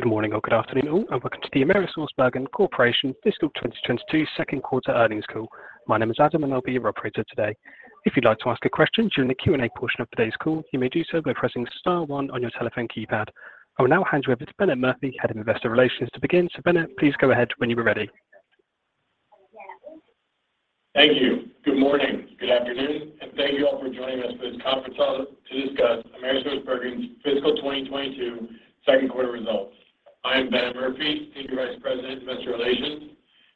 Good morning or good afternoon all, and welcome to the AmerisourceBergen Corporation Fiscal 2022 Second Quarter Earnings Call. My name is Adam and I'll be your operator today. If you'd like to ask a question during the Q&A portion of today's call, you may do so by pressing star one on your telephone keypad. I will now hand you over to Bennett Murphy, Head of Investor Relations, to begin. Bennett, please go ahead when you are ready. Thank you. Good morning, good afternoon, and thank you all for joining us for this conference call to discuss AmerisourceBergen's fiscal 2022 second quarter results. I am Bennett Murphy, Senior Vice President, Investor Relations.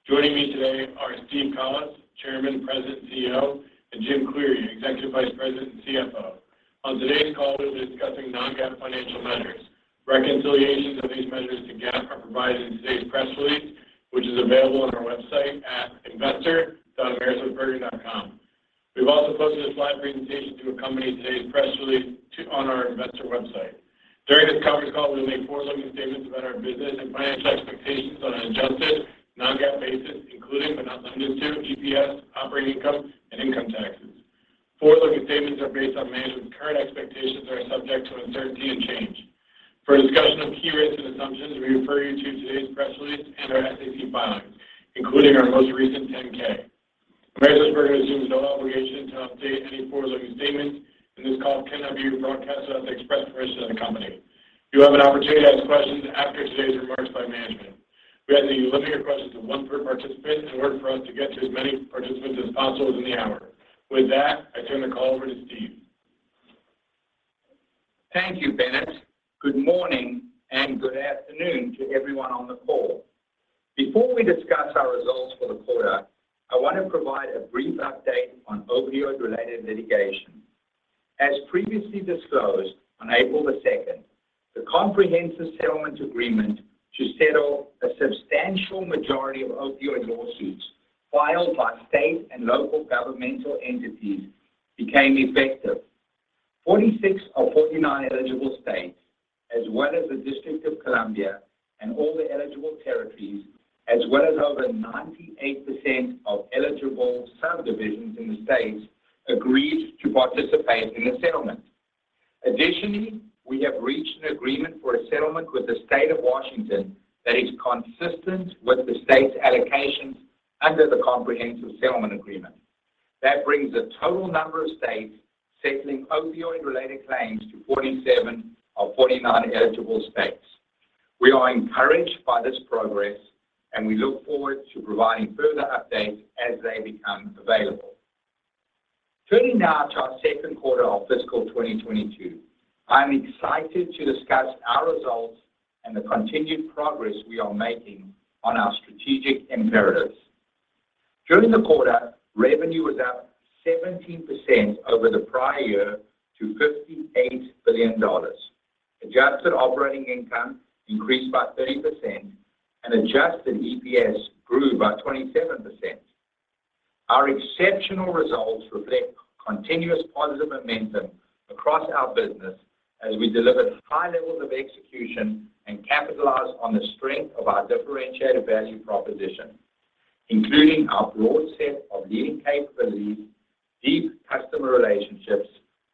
Joining me today are Steven Collis, Chairman, President, CEO, and Jim Cleary, Executive Vice President and CFO. On today's call, we'll be discussing non-GAAP financial measures. Reconciliations of these measures to GAAP are provided in today's press release, which is available on our website at investor.amerisourcebergen.com. We've also posted a slide presentation to accompany today's press release on our investor website. During this conference call, we'll make forward-looking statements about our business and financial expectations on an adjusted non-GAAP basis, including, but not limited to EPS, operating income, and income taxes. Forward-looking statements are based on management's current expectations that are subject to uncertainty and change. For a discussion of key risks and assumptions, we refer you to today's press release and our SEC filings, including our most recent 10-K. AmerisourceBergen assumes no obligation to update any forward-looking statements, and this call cannot be rebroadcast without the express permission of the company. You have an opportunity to ask questions after today's remarks by management. We ask that you limit your questions to one per participant in order for us to get to as many participants as possible within the hour. With that, I turn the call over to Steve. Thank you, Bennett. Good morning and good afternoon to everyone on the call. Before we discuss our results for the quarter, I want to provide a brief update on opioid-related litigation. As previously disclosed, on April 2, the comprehensive settlement agreement to settle a substantial majority of opioid lawsuits filed by state and local governmental entities became effective. 46 of 49 eligible states, as well as the District of Columbia and all the eligible territories, as well as over 98% of eligible subdivisions in the states, agreed to participate in the settlement. Additionally, we have reached an agreement for a settlement with the State of Washington that is consistent with the state's allocations under the comprehensive settlement agreement. That brings the total number of states settling opioid-related claims to 47 of 49 eligible states. We are encouraged by this progress, and we look forward to providing further updates as they become available. Turning now to our second quarter of fiscal 2022, I am excited to discuss our results and the continued progress we are making on our strategic imperatives. During the quarter, revenue was up 17% over the prior year to $58 billion. Adjusted operating income increased by 30% and adjusted EPS grew by 27%. Our exceptional results reflect continuous positive momentum across our business as we delivered high levels of execution and capitalized on the strength of our differentiated value proposition, including our broad set of leading capabilities, deep customer relationships,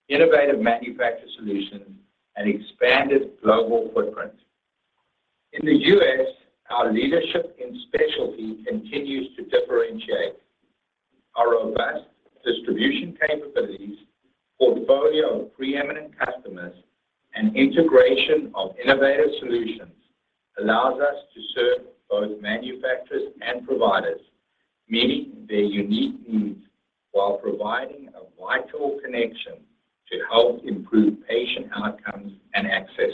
innovative manufacturer solutions, and expanded global footprint. In the U.S., our leadership in specialty continues to differentiate. Our robust distribution capabilities, portfolio of preeminent customers, and integration of innovative solutions allows us to serve both manufacturers and providers, meeting their unique needs while providing a vital connection to help improve patient outcomes and access.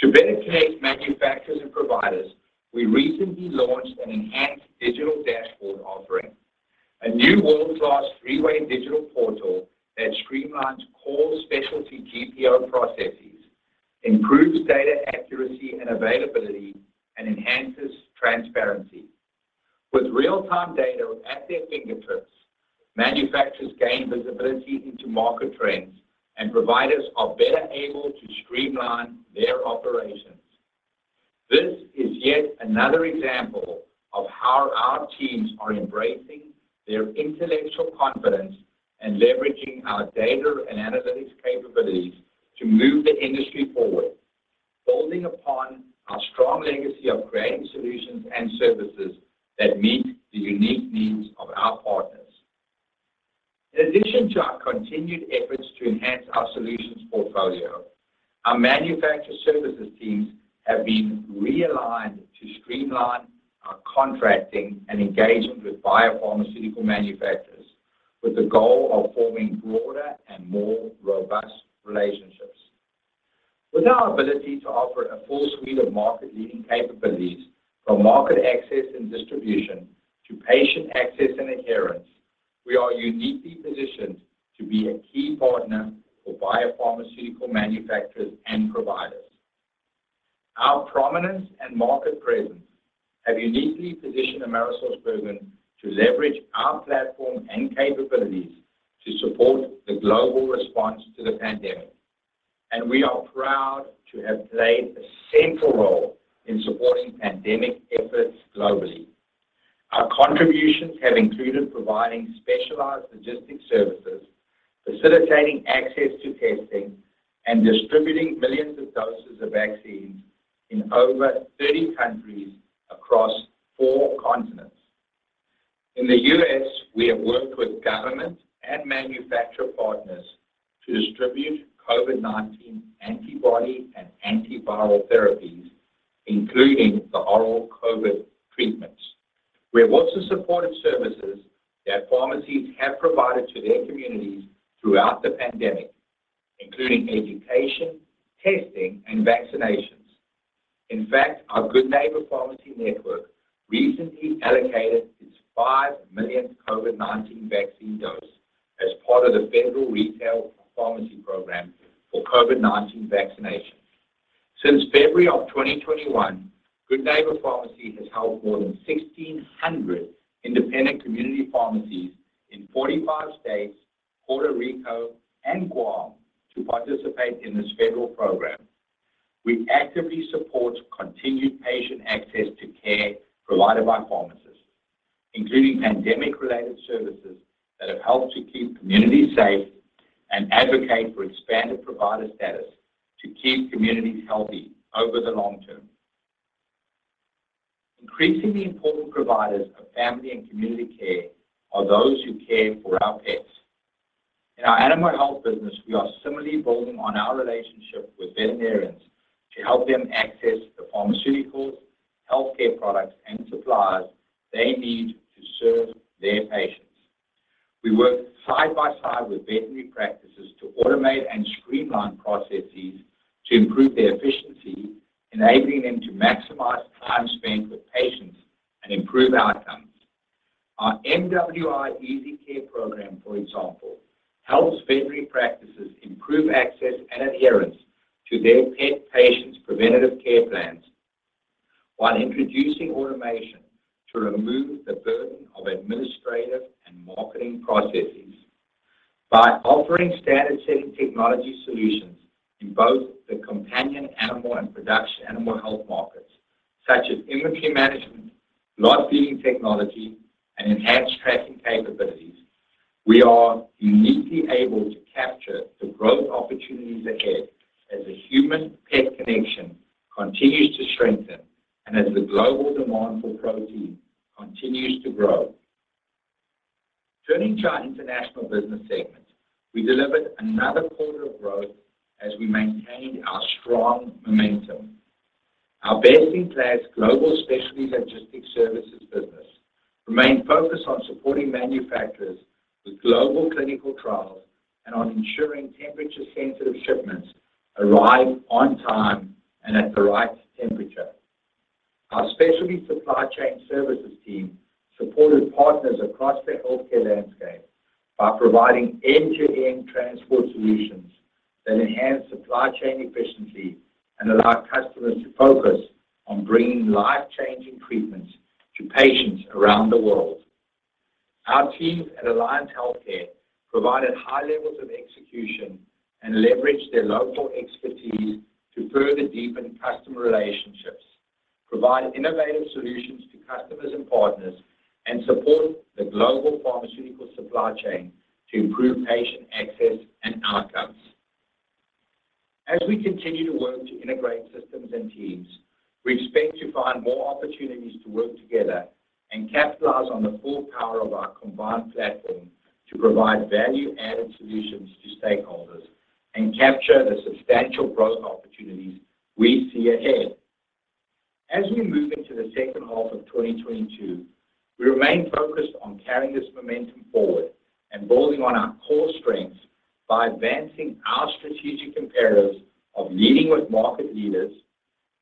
To better connect manufacturers and providers, we recently launched an enhanced digital dashboard offering. A new world-class three-way digital portal that streamlines core specialty GPO processes, improves data accuracy and availability, and enhances transparency. With real-time data at their fingertips, manufacturers gain visibility into market trends, and providers are better able to streamline their operations. This is yet another example of how our teams are embracing their intellectual confidence and leveraging our data and analytics capabilities to move the industry forward, building upon our strong legacy of creating solutions and services that meet the unique needs of our partners. In addition to our continued efforts to enhance our solutions portfolio, our manufacturer services teams have been realigned to streamline our contracting and engagement with biopharmaceutical manufacturers with the goal of forming broader and more robust relationships. With our ability to offer a full suite of market-leading capabilities from market access and distribution to patient access and adherence, we are uniquely positioned to be a key partner for biopharmaceutical manufacturers and providers. Our prominence and market presence have uniquely positioned AmerisourceBergen to leverage our platform and capabilities to support the global response to the pandemic. We are proud to have played a central role in supporting pandemic efforts globally. Our contributions have included providing specialized logistics services, facilitating access to testing, and distributing millions of doses of vaccines in over 30 countries across four continents. In the U.S., we have worked with government and manufacturer partners to distribute COVID-19 antibody and antiviral therapies, including the oral COVID treatments. We have also supported services that pharmacies have provided to their communities throughout the pandemic, including education, testing, and vaccinations. In fact, our Good Neighbor Pharmacy network recently allocated its 5 millionth COVID-19 vaccine dose as part of the Federal Retail Pharmacy Program for COVID-19 vaccinations. Since February of 2021, Good Neighbor Pharmacy has helped more than 1,600 independent community pharmacies in 45 states, Puerto Rico, and Guam to participate in this federal program. We actively support continued patient access to care provided by pharmacists, including pandemic-related services that have helped to keep communities safe and advocate for expanded provider status to keep communities healthy over the long term. Increasingly important providers of family and community care are those who care for our pets. In our Animal Health business, we are similarly building on our relationship with veterinarians to help them access the pharmaceuticals, healthcare products, and supplies they need to serve their patients. We work side by side with veterinary practices to automate and streamline processes to improve their efficiency, enabling them to maximize time spent with patients and improve outcomes. Our MWI Easy Care Program, for example, helps veterinary practices improve access and adherence to their pet patients' preventative care plans while introducing automation to remove the burden of administrative and marketing processes. By offering standard-setting technology solutions in both the companion animal and production animal health markets, such as inventory management, lot feeding technology, and enhanced tracking capabilities, we are uniquely able to capture the growth opportunities ahead as the human-pet connection continues to strengthen and as the global demand for protein continues to grow. Turning to our International Healthcare Solutions segment, we delivered another quarter of growth as we maintained our strong momentum. Our best-in-class global specialty logistics services business remained focused on supporting manufacturers with global clinical trials and on ensuring temperature-sensitive shipments arrive on time and at the right temperature. Our Specialty Supply Chain Services team supported partners across the healthcare landscape by providing end-to-end transport solutions that enhance supply chain efficiency and allow customers to focus on bringing life-changing treatments to patients around the world. Our teams at Alliance Healthcare provided high levels of execution and leveraged their local expertise to further deepen customer relationships, provide innovative solutions to customers and partners, and support the global pharmaceutical supply chain to improve patient access and outcomes. As we continue to work to integrate systems and teams, we expect to find more opportunities to work together and capitalize on the full power of our combined platform to provide value-added solutions to stakeholders and capture the substantial growth opportunities we see ahead. As we move into the second half of 2022, we remain focused on carrying this momentum forward and building on our core strengths by advancing our strategic imperatives of leading with market leaders,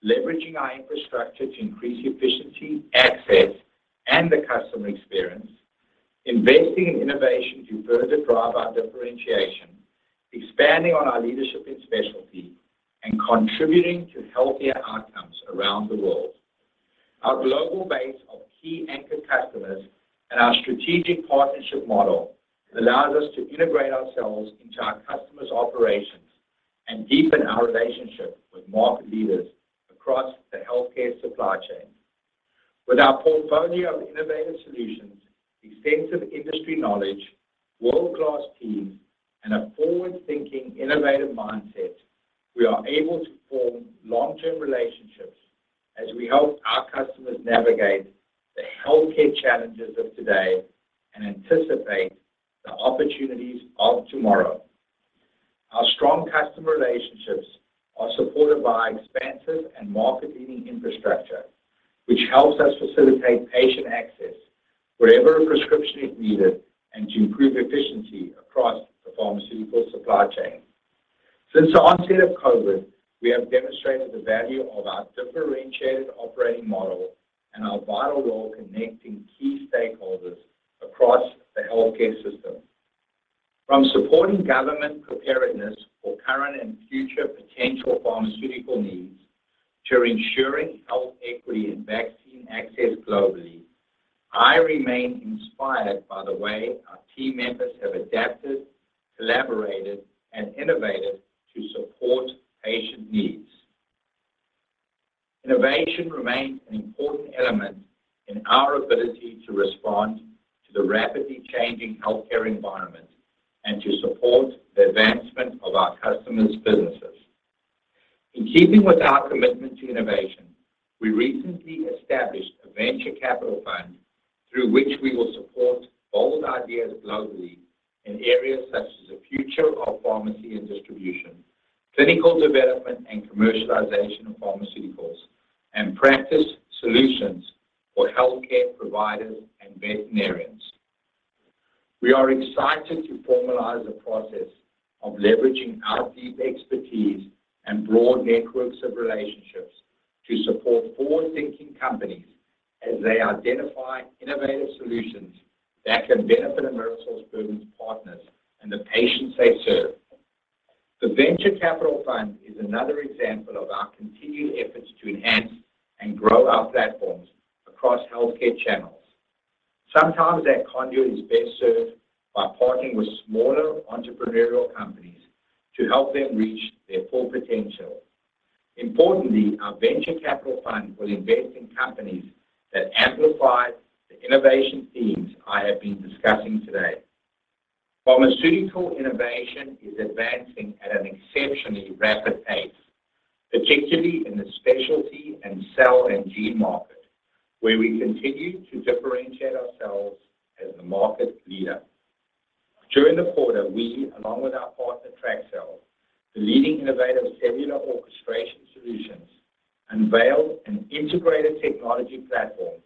leveraging our infrastructure to increase efficiency, access, and the customer experience, investing in innovation to further drive our differentiation, expanding on our leadership in specialty, and contributing to healthier outcomes around the world. Our global base of key anchor customers and our strategic partnership model allows us to integrate ourselves into our customers' operations and deepen our relationships with market leaders across the healthcare supply chain. With our portfolio of innovative solutions, extensive industry knowledge, world-class teams, and a forward-thinking, innovative mindset, we are able to form long-term relationships as we help our customers navigate the healthcare challenges of today and anticipate the opportunities of tomorrow. Our strong customer relationships are supported by expansive and market-leading infrastructure, which helps us facilitate patient access wherever a prescription is needed and to improve efficiency across the pharmaceutical supply chain. Since the onset of COVID, we have demonstrated the value of our differentiated operating model and our vital role connecting key stakeholders across the healthcare system. From supporting government preparedness for current and future potential pharmaceutical needs to ensuring health equity and vaccine access globally, I remain inspired by the way our team members have adapted, collaborated, and innovated to support patient needs. Innovation remains an important element in our ability to respond to the rapidly changing healthcare environment and to support the advancement of our customers' businesses. In keeping with our commitment to innovation, we recently established a venture capital fund through which we will support bold ideas globally in areas such as the future of pharmacy and distribution, clinical development and commercialization of pharmaceuticals, and practice solutions for healthcare providers and veterinarians. We are excited to formalize the process of leveraging our deep expertise and broad networks of relationships to support forward-thinking companies as they identify innovative solutions that can benefit AmerisourceBergen's partners and the patients they serve. The venture capital fund is another example of our continued efforts to enhance and grow our platforms across healthcare channels. Sometimes that conduit is best served by partnering with smaller entrepreneurial companies to help them reach their full potential. Importantly, our venture capital fund will invest in companies that amplify the innovation themes I have been discussing today. Pharmaceutical innovation is advancing at an exceptionally rapid pace, particularly in the specialty and cell and gene market, where we continue to differentiate ourselves as the market leader. During the quarter, we, along with our partner, TrakCel, the leading innovator of cellular orchestration solutions, unveiled an integrated technology platform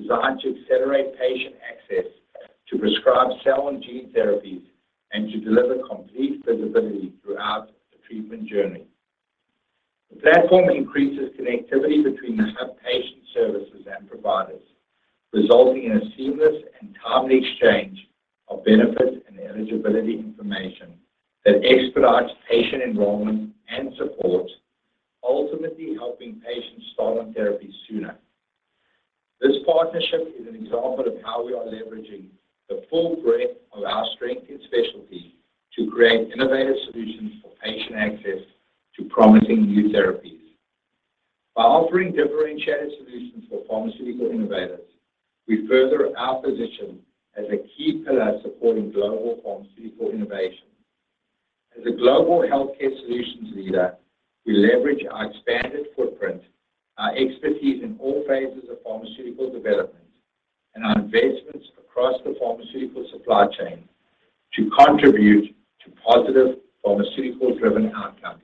designed to accelerate patient access to prescribed cell and gene therapies and to deliver complete visibility throughout the treatment journey. The platform increases connectivity between sub-patient services and providers, resulting in a seamless and timely exchange of benefit and eligibility information that expedites patient enrollment and support, ultimately helping patients start on therapy sooner. This partnership is an example of how we are leveraging the full breadth of our strength and specialty to create innovative solutions for patient access to promising new therapies. By offering differentiated solutions for pharmaceutical innovators, we further our position as a key pillar supporting global pharmaceutical innovation. As a global healthcare solutions leader, we leverage our expanded footprint, our expertise in all phases of pharmaceutical development, and our investments across the pharmaceutical supply chain to contribute to positive pharmaceutical-driven outcomes.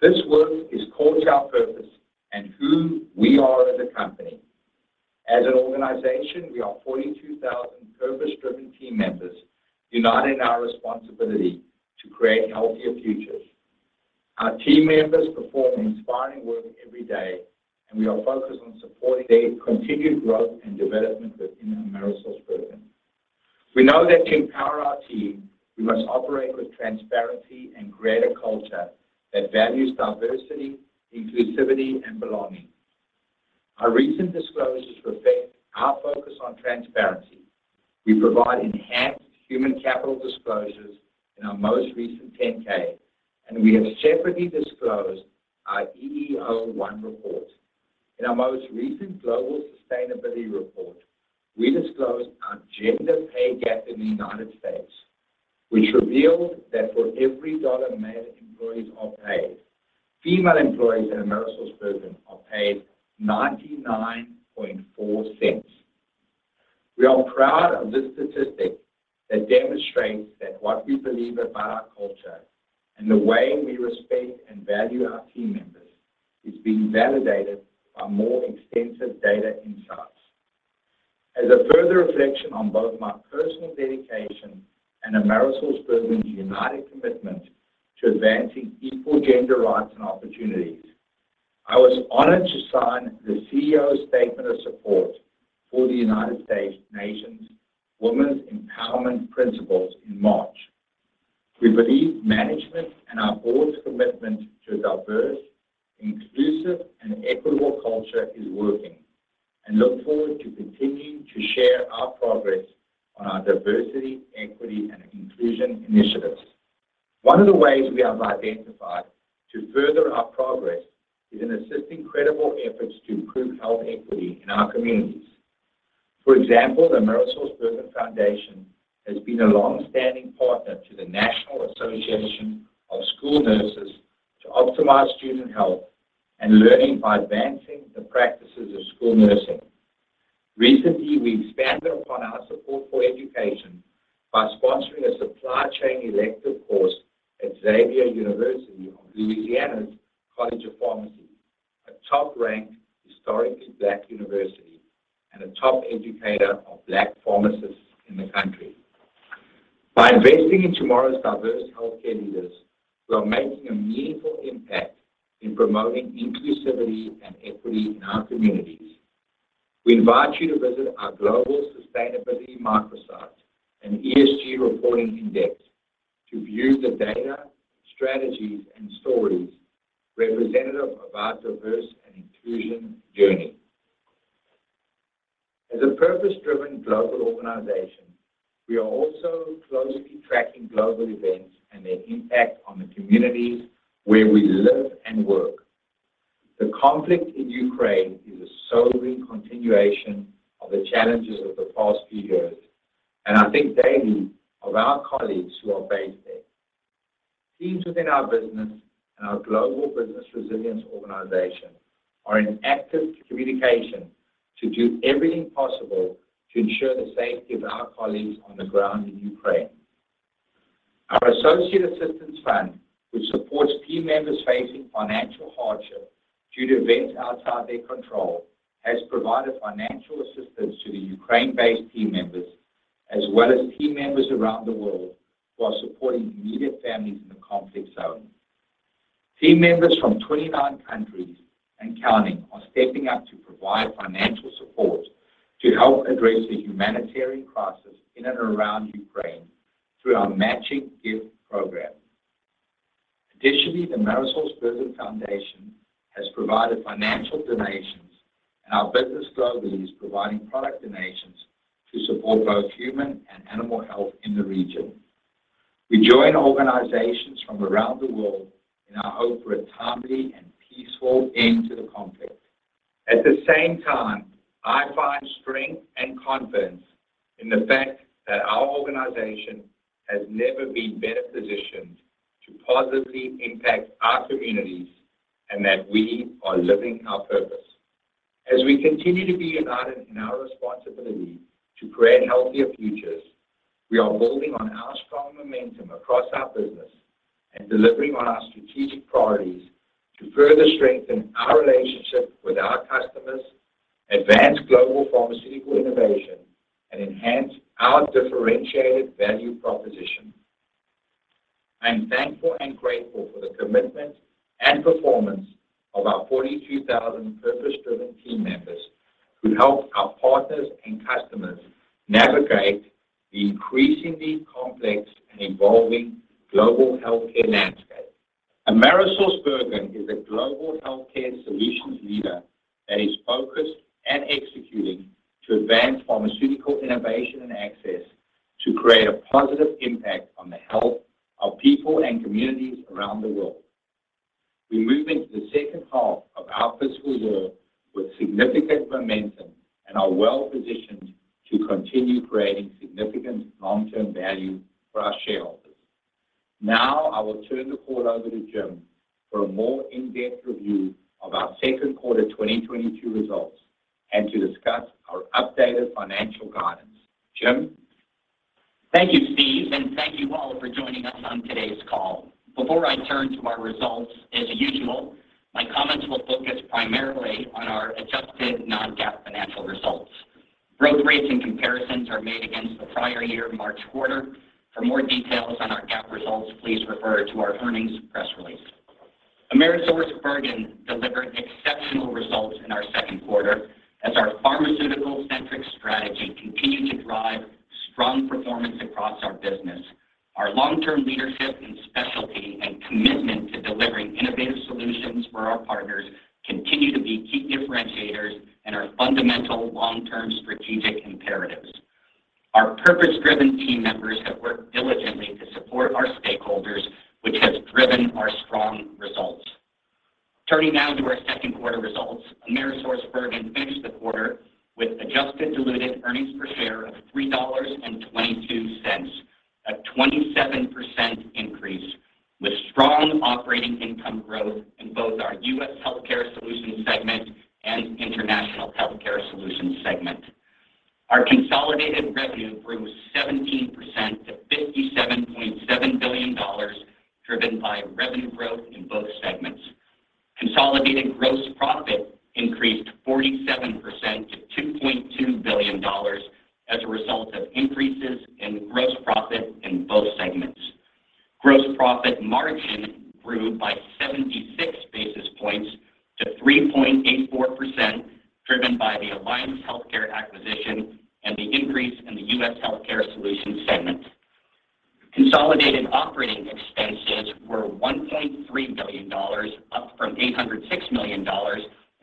This work is core to our purpose and who we are as a company. As an organization, we are 42,000 purpose-driven team members united in our responsibility to create healthier futures. Our team members perform inspiring work every day, and we are focused on supporting their continued growth and development within AmerisourceBergen. We know that to empower our team, we must operate with transparency and create a culture that values diversity, inclusivity, and belonging. Our recent disclosures reflect our focus on transparency. We provide enhanced human capital disclosures in our most recent 10-K, and we have separately disclosed our EEO-1 report. In our most recent global sustainability report, we disclosed our gender pay gap in the United States, which revealed that for every $1 male employees are paid, female employees at AmerisourceBergen are paid $0.994. We are proud of this statistic that demonstrates that what we believe about our culture and the way we respect and value our team members is being validated by more extensive data insights. As a further reflection on both my personal dedication and AmerisourceBergen's united commitment to advancing equal gender rights and opportunities, I was honored to sign the CEO Statement of Support for the United Nations Women's Empowerment Principles in March. We believe management and our board's commitment to a diverse, inclusive, and equitable culture is working and look forward to continuing to share our progress on our diversity, equity, and inclusion initiatives. One of the ways we have identified to further our progress is in assisting credible efforts to improve health equity in our communities. For example, the AmerisourceBergen Foundation has been a long-standing partner to the National Association of School Nurses to optimize student health and learning by advancing the practices of school nursing. Recently, we expanded upon our support for education by sponsoring a supply chain elective course at Xavier University of Louisiana College of Pharmacy, a top-ranked historically black university and a top educator of black pharmacists in the country. By investing in tomorrow's diverse healthcare leaders, we are making a meaningful impact in promoting inclusivity and equity in our communities. We invite you to visit our global sustainability microsite and ESG reporting index to view the data, strategies, and stories representative of our diversity and inclusion journey. As a purpose-driven global organization, we are also closely tracking global events and their impact on the communities where we live and work. The conflict in Ukraine is a sobering continuation of the challenges of the past few years, and I think daily of our colleagues who are based there. Teams within our business and our global business resilience organization are in active communication to do everything possible to ensure the safety of our colleagues on the ground in Ukraine. Our associate assistance fund, which supports team members facing financial hardship due to events outside their control, has provided financial assistance to the Ukraine-based team members as well as team members around the world who are supporting immediate families in the conflict zone. Team members from 29 countries and counting are stepping up to provide financial support to help address the humanitarian crisis in and around Ukraine through our matching gift program. Additionally, the AmerisourceBergen Foundation has provided financial donations and our business globally is providing product donations to support both human and animal health in the region. We join organizations from around the world in our hope for a timely and peaceful end to the conflict. At the same time, I find strength and confidence in the fact that our organization has never been better positioned to positively impact our communities and that we are living our purpose. As we continue to be united in our responsibility to create healthier futures, we are building on our strong momentum across our business and delivering on our strategic priorities to further strengthen our relationship with our customers, advance global pharmaceutical innovation, and enhance our differentiated value proposition. I am thankful and grateful for the commitment and performance of our 42,000 purpose-driven team members who help our partners and customers navigate the increasingly complex and evolving global healthcare landscape. AmerisourceBergen is a global healthcare solutions leader that is focused and executing to advance pharmaceutical innovation and access to create a positive impact on the health of people and communities around the world. We move into the second half of our fiscal year with significant momentum and are well-positioned to continue creating significant long-term value for our shareholders. Now, I will turn the call over to Jim for a more in-depth review of our second quarter 2022 results and to discuss our updated financial guidance. Jim. Thank you, Steve, and thank you all for joining us on today's call. Before I turn to our results, as usual, my comments will focus primarily on our adjusted non-GAAP financial results. Growth rates and comparisons are made against the prior year March quarter. For more details on our GAAP results, please refer to our earnings press release. AmerisourceBergen delivered exceptional results in our second quarter as our pharmaceutical-centric strategy continued to drive strong performance across our business. Our long-term leadership in specialty and commitment to delivering innovative solutions for our partners continue to be key differentiators and our fundamental long-term strategic imperatives. Our purpose-driven team members have worked diligently to support our stakeholders, which has driven our strong results. Turning now to our second quarter results. AmerisourceBergen finished the quarter with adjusted diluted earnings per share of $3.22, a 27% increase with strong operating income growth in both our U.S. Healthcare Solutions segment and International Healthcare Solutions segment. Our consolidated revenue grew 17% to $57.7 billion, driven by revenue growth in both segments. Consolidated gross profit increased 47% to $2.2 billion as a result of increases in gross profit in both segments. Gross profit margin improved by 76 basis points to 3.84%, driven by the Alliance Healthcare acquisition and the increase in the U.S. Healthcare Solutions segment. Consolidated operating expenses were $1.3 billion, up from $806 million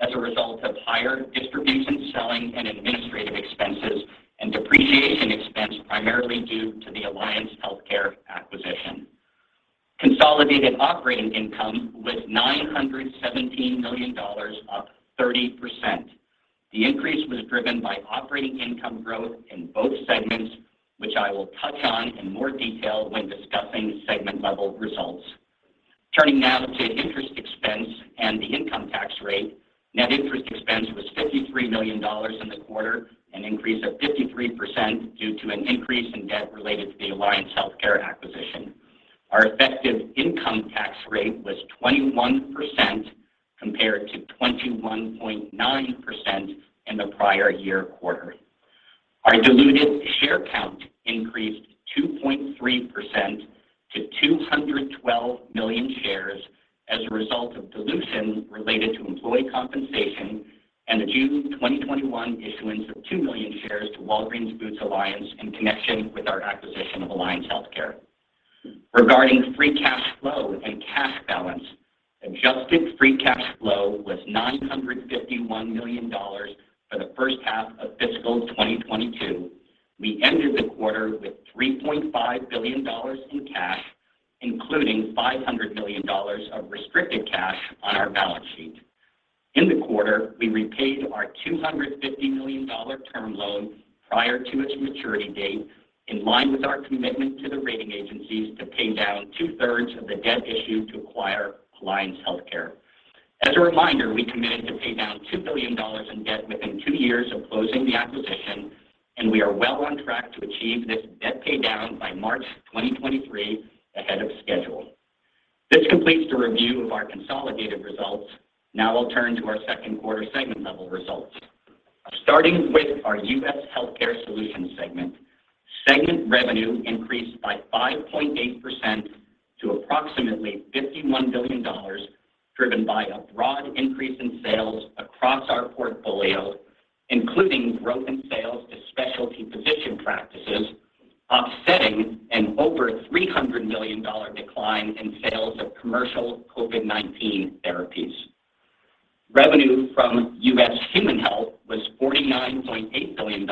as a result of higher distribution, selling, and administrative expenses and depreciation expense primarily due to the Alliance Healthcare acquisition. Consolidated operating income was $917 million, up 30%. The increase was driven by operating income growth in both segments, which I will touch on in more detail when discussing segment-level results. Turning now to interest expense and the income tax rate. Net interest expense was $53 million in the quarter, an increase of 53% due to an increase in debt related to the Alliance Healthcare acquisition. Our effective income tax rate was 21% compared to 21.9% in the prior year quarter. Our diluted share count increased 2.3% to 212 million shares as a result of dilution related to employee compensation and the June 2021 issuance of 2 million shares to Walgreens Boots Alliance in connection with our acquisition of Alliance Healthcare. Regarding free cash flow and cash balance, adjusted free cash flow was $951 million for the first half of fiscal 2022. We ended the quarter with $3.5 billion in cash, including $500 million of restricted cash on our balance sheet. In the quarter, we repaid our $250 million term loan prior to its maturity date, in line with our commitment to the rating agencies to pay down two-thirds of the debt issued to acquire Alliance Healthcare. As a reminder, we committed to pay down $2 billion in debt within two years of closing the acquisition, and we are well on track to achieve this debt pay down by March 2023 ahead of schedule. This completes the review of our consolidated results. Now I'll turn to our second quarter segment level results. Starting with our U.S. Healthcare Solutions segment. Segment revenue increased by 5.8% to approximately $51 billion, driven by a broad increase in sales across our portfolio, including growth in sales to specialty physician practices, offsetting an over $300 million decline in sales of commercial COVID-19 therapies. Revenue from U.S. human health was $49.8 billion,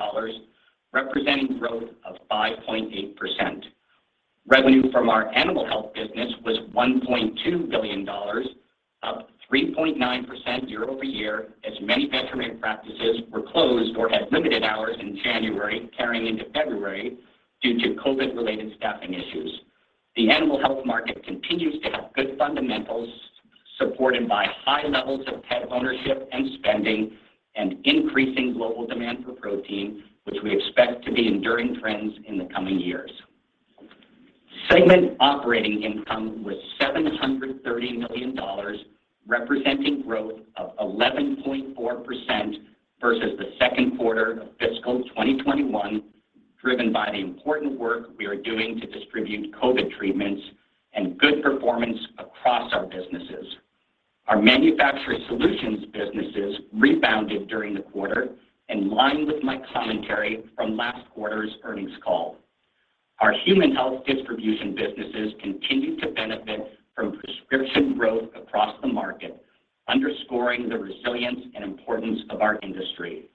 representing growth of 5.8%. Revenue from our animal health business was $1.2 billion, up 3.9% year-over-year, as many veterinary practices were closed or had limited hours in January, carrying into February due to COVID-related staffing issues. The animal health market continues to have good fundamentals, supported by high levels of pet ownership and spending and increasing global demand for protein, which we expect to be enduring trends in the coming years. Segment operating income was $730 million, representing growth of 11.4% versus the second quarter of fiscal 2021, driven by the important work we are doing to distribute COVID treatments and good performance across our businesses. Our manufacturer solutions businesses rebounded during the quarter in line with my commentary from last quarter's earnings call. Our human health distribution businesses continued to benefit from prescription growth across the market, underscoring the resilience and importance of our industry.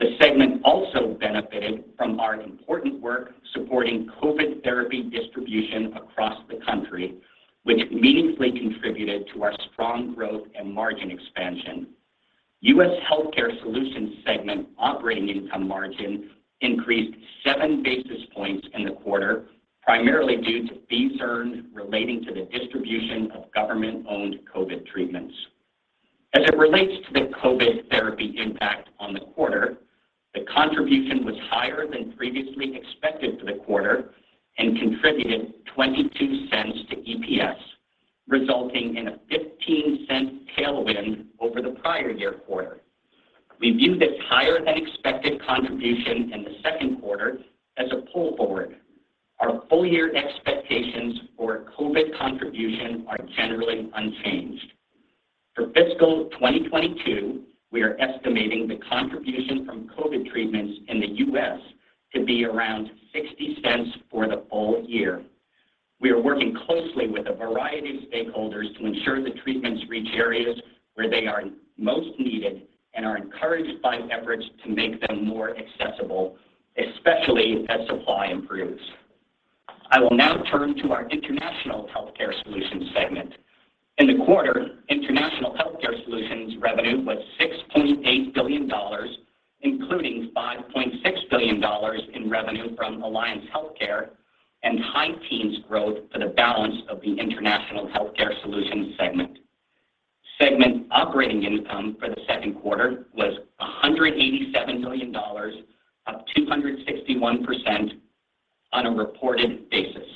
The segment also benefited from our important work supporting COVID therapy distribution across the country, which meaningfully contributed to our strong growth and margin expansion. U.S. Healthcare Solutions segment operating income margin increased 7 basis points in the quarter, primarily due to fees earned relating to the distribution of government-owned COVID treatments. As it relates to the COVID therapy impact on the quarter, the contribution was higher than previously expected for the quarter and contributed $0.22 to EPS, resulting in a $0.15 tailwind over the prior year quarter. We view this higher than expected contribution in the second quarter as a pull forward. Our full year expectations for COVID contribution are generally unchanged. For fiscal 2022, we are estimating the contribution from COVID treatments in the U.S. to be around $0.60 for the full year. We are working closely with a variety of stakeholders to ensure the treatments reach areas where they are most needed and are encouraged by efforts to make them more accessible, especially as supply improves. I will now turn to our International Healthcare Solutions segment. In the quarter, International Healthcare Solutions revenue was $6.8 billion, including $5.6 billion in revenue from Alliance Healthcare and high teens growth for the balance of the International Healthcare Solutions segment. Segment operating income for the second quarter was $187 million, up 261% on a reported basis.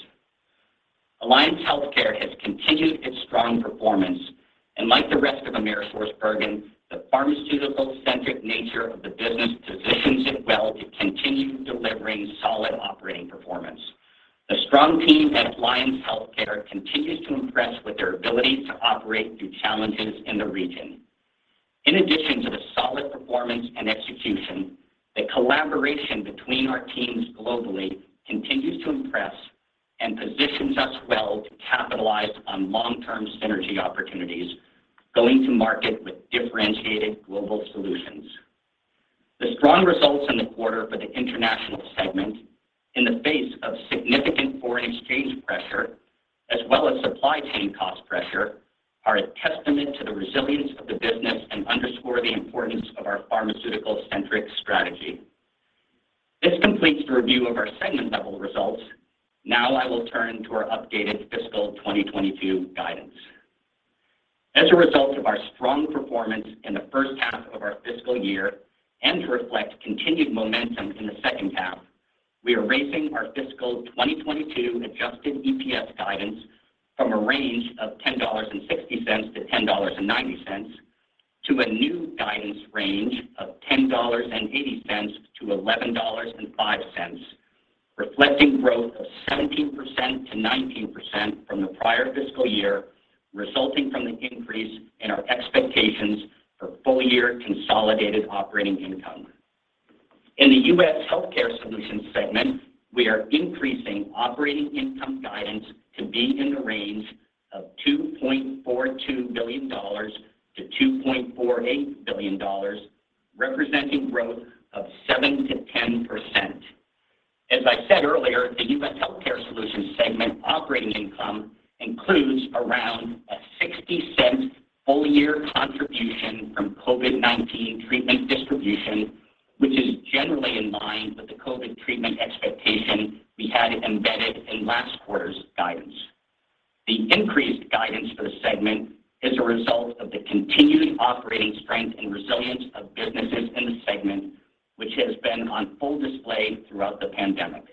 Alliance Healthcare has continued its strong performance, and like the rest of AmerisourceBergen, the pharmaceutical-centric nature of the business positions it well to continue delivering solid operating performance. The strong team at Alliance Healthcare continues to impress with their ability to operate through challenges in the region. In addition to the solid performance and execution, the collaboration between our teams globally continues to impress and positions us well to capitalize on long-term synergy opportunities, going to market with differentiated global solutions. The strong results in the quarter for the international segment in the face of significant foreign exchange pressure as well as supply chain cost pressure, are a testament to the resilience of the business and underscore the importance of our pharmaceutical-centric strategy. This completes the review of our segment level results. Now I will turn to our updated fiscal 2022 guidance. As a result of our strong performance in the first half of our fiscal year and to reflect continued momentum in the second half, we are raising our fiscal 2022 adjusted EPS guidance from a range of $10.60-$10.90 to a new guidance range of $10.80-$11.05, reflecting growth of 17%-19% from the prior fiscal year, resulting from the increase in our expectations for full year consolidated operating income. In the U.S. Healthcare Solutions segment, we are increasing operating income guidance to be in the range of $2.42 billion-$2.48 billion, representing growth of 7%-10%. As I said earlier, the U.S. Healthcare Solutions segment operating income includes around a $0.60 full-year contribution from COVID-19 treatment distribution, which is generally in line with the COVID treatment expectation we had embedded in last quarter's guidance. The increased guidance for the segment is a result of the continuing operating strength and resilience of businesses in the segment, which has been on full display throughout the pandemic.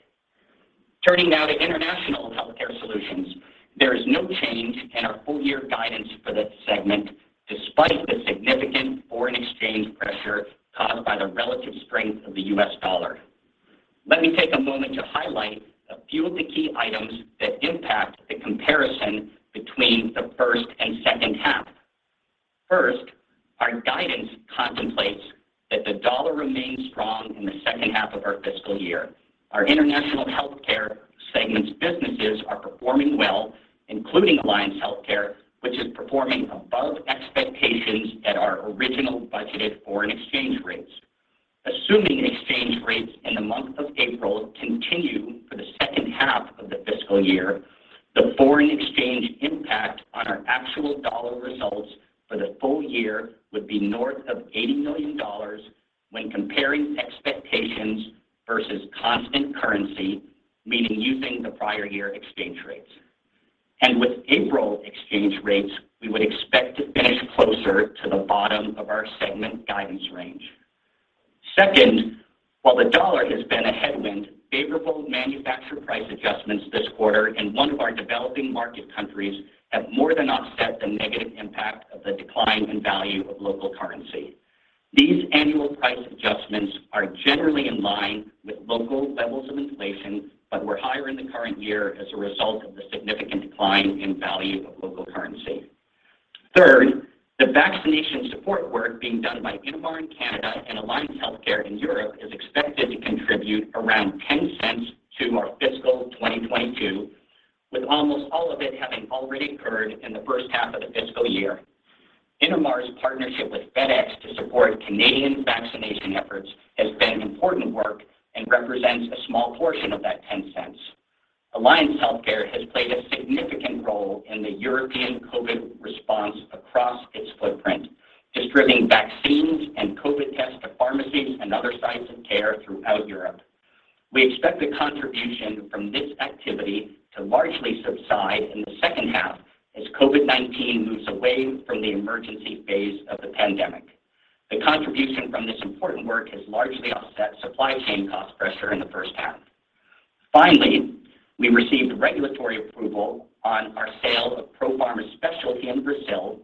Turning now to International Healthcare Solutions, there is no change in our full-year guidance for this segment despite the significant foreign exchange pressure caused by the relative strength of the U.S. dollar. Let me take a moment to highlight a few of the key items that impact the comparison between the first and second half. First, our guidance contemplates that the dollar remains strong in the second half of our fiscal year. Our International Healthcare segment's businesses are performing well, including Alliance Healthcare, which is performing above expectations at our original budgeted foreign exchange rates. Assuming exchange rates in the month of April continue for the second half of the fiscal year, the foreign exchange impact on our actual dollar results for the full year would be north of $80 million when comparing expectations versus constant currency, meaning using the prior year exchange rates. With April exchange rates, we would expect to finish closer to the bottom of our segment guidance range. Second, while the dollar has been a headwind, favorable manufacturer price adjustments this quarter in one of our developing market countries have more than offset the negative impact of the decline in value of local currency. These annual price adjustments are generally in line with local levels of inflation, but were higher in the current year as a result of the significant decline in value of local currency. Third, the vaccination support work being done by Innomar in Canada and Alliance Healthcare in Europe is expected to contribute around $0.10 to our fiscal 2022, with almost all of it having already occurred in the first half of the fiscal year. Innomar's partnership with FedEx to support Canadian vaccination efforts has been important work and represents a small portion of that $0.10. Alliance Healthcare has played a significant role in the European COVID response across its footprint, distributing vaccines and COVID tests to pharmacies and other sites of care throughout Europe. We expect the contribution from this activity to largely subside in the second half as COVID-19 moves away from the emergency phase of the pandemic. The contribution from this important work has largely offset supply chain cost pressure in the first half. Finally, we received regulatory approval on our sale of Profarma Specialty in Brazil,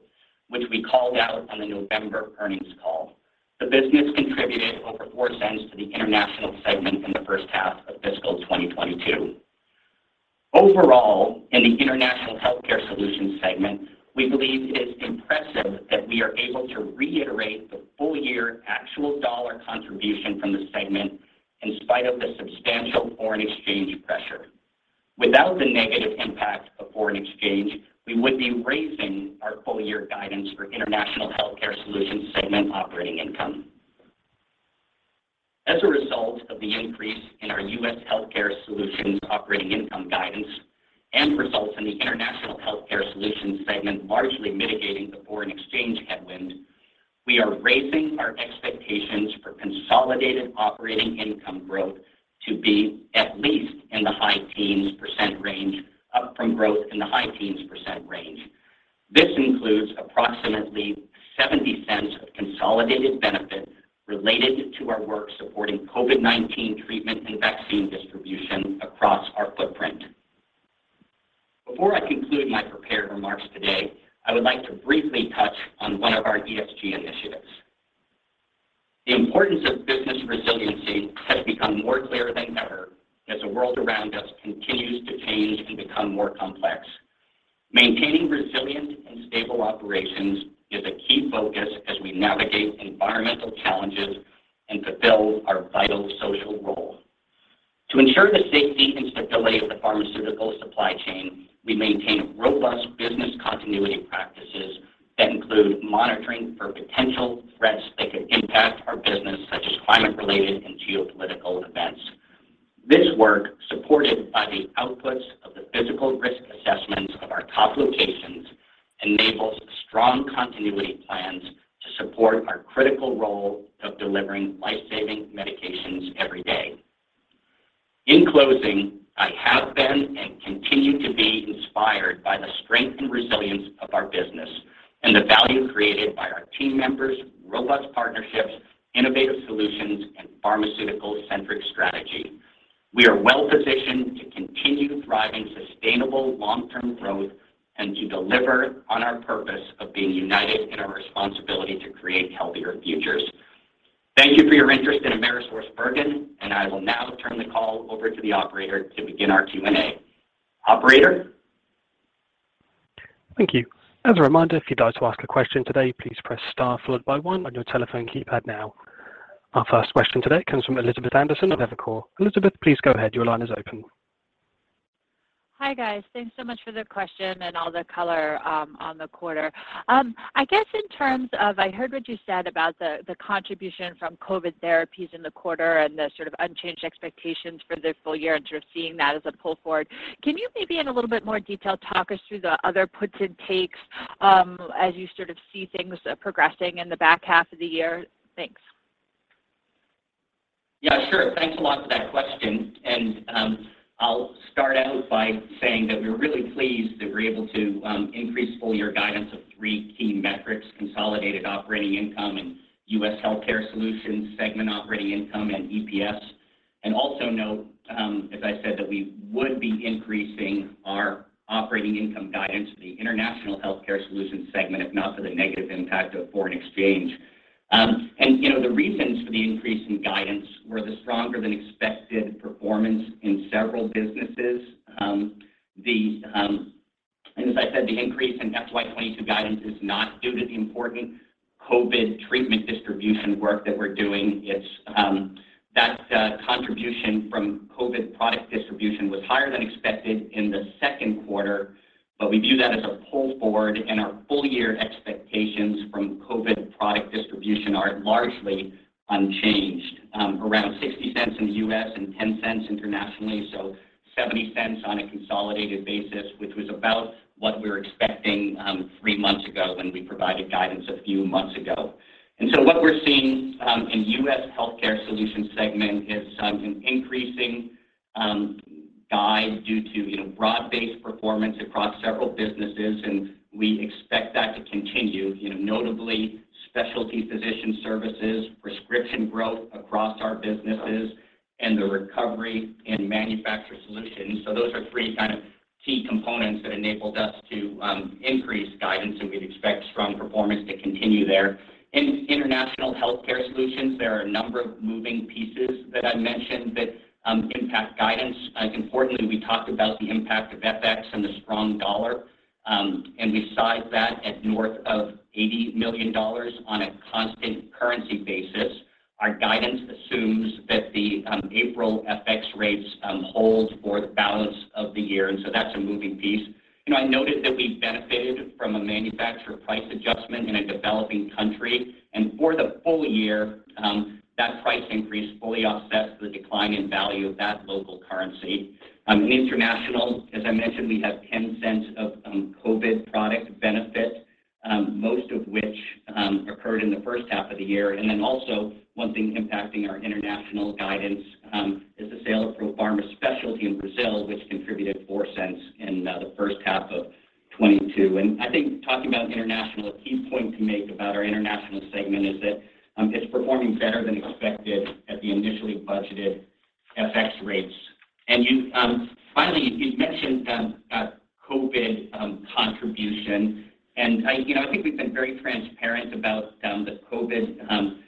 which we called out on the November earnings call. The business contributed over $0.04 to the International Healthcare Solutions segment in the first half of fiscal 2022. Overall, in the International Healthcare Solutions segment, we believe it is impressive that we are able to reiterate the full-year actual dollar contribution from the segment in spite of the substantial foreign exchange pressure. Without the negative impact of foreign exchange, we would be raising our full-year guidance for International Healthcare Solutions segment operating income. As a result of the increase in our U.S. Healthcare Solutions operating income guidance and results in the International Healthcare Solutions segment largely mitigating the foreign exchange headwind, we are raising our expectations for consolidated operating income growth to be at least in the high teens % range, up from growth in the high teens % range. This includes approximately $0.70 of consolidated benefit related to our work supporting COVID-19 treatment and vaccine distribution across our footprint. Before I conclude my prepared remarks today, I would like to briefly touch on one of our ESG initiatives. The importance of business resiliency has become more clear than ever as the world around us continues to change and become more complex. Maintaining resilient and stable operations is a key focus as we navigate environmental challenges and fulfill our vital social role. To ensure the safety and stability of the pharmaceutical supply chain, we maintain robust business continuity practices that include monitoring for potential threats that could impact our business, such as climate-related and geopolitical events. This work, supported by the outputs of the physical risk assessments of our top locations, enables strong continuity plans to support our critical role of delivering life-saving medications every day. In closing, I have been and continue to be inspired by the strength and resilience of our business and the value created by our team members, robust partnerships, innovative solutions, and pharmaceutical-centric strategy. We are well-positioned to continue driving sustainable long-term growth and to deliver on our purpose of being united in our responsibility to create healthier futures. Thank you for your interest in AmerisourceBergen, and I will now turn the call over to the operator to begin our Q&A. Operator? Thank you. As a reminder, if you'd like to ask a question today, please press star followed by one on your telephone keypad now. Our first question today comes from Elizabeth Anderson of Evercore. Elizabeth, please go ahead. Your line is open. Hi, guys. Thanks so much for the question and all the color on the quarter. I guess in terms of I heard what you said about the contribution from COVID therapies in the quarter and the sort of unchanged expectations for the full year and sort of seeing that as a pull forward. Can you maybe in a little bit more detail talk us through the other puts and takes as you sort of see things progressing in the back half of the year? Thanks. Yeah, sure. Thanks a lot for that question. I'll start out by saying that we're really pleased that we're able to increase full year guidance of three key metrics, consolidated operating income and U.S. Healthcare Solutions segment operating income and EPS. Also note, as I said, that we would be increasing our operating income guidance to the International Healthcare Solutions segment if not for the negative impact of foreign exchange. You know, the reasons for the increase in guidance were the stronger than expected performance in several businesses. As I said, the increase in FY 2022 guidance is not due to the important COVID treatment distribution work that we're doing. It's That contribution from COVID product distribution was higher than expected in the second quarter, but we view that as a pull forward, and our full year expectations from COVID product distribution are largely unchanged, around $0.60 in the U.S. and $0.10 internationally, so $0.70 on a consolidated basis, which was about what we were expecting, three months ago when we provided guidance a few months ago. What we're seeing in U.S. Healthcare Solutions segment is an increasing guide due to, you know, broad-based performance across several businesses, and we expect that to continue, you know, notably specialty physician services, prescription growth across our businesses, and the recovery in manufacturer solutions. Those are three kind of key components that enabled us to increase guidance, and we'd expect strong performance to continue there. In International Healthcare Solutions, there are a number of moving pieces that I mentioned that impact guidance. Importantly, we talked about the impact of FX and the strong dollar, and we size that at north of $80 million on a constant currency basis. Our guidance assumes that the April FX rates hold for the balance of the year, and so that's a moving piece. You know, I noted that we benefited from a manufacturer price adjustment in a developing country. For the full year, that price increase fully offsets the decline in value of that local currency. In international, as I mentioned, we have $0.10 of COVID product benefit, most of which occurred in the first half of the year. One thing impacting our international guidance is the sale of Profarma Specialty in Brazil, which contributed $0.04 in the first half of 2022. I think talking about international, a key point to make about our international segment is that it's performing better than expected at the initially budgeted FX rates. Finally, you'd mentioned COVID contribution, and I you know I think we've been very transparent about the COVID